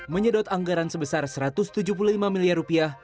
menyedot anggaran sebesar satu ratus tujuh puluh lima miliar rupiah